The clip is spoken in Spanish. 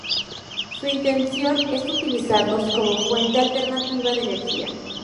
Su intención es utilizarlos como fuente alternativa de energía.